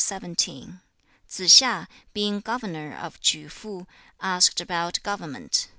Tsze hsia, being governor of Chu fu, asked about government.